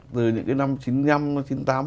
từ những cái năm chín mươi năm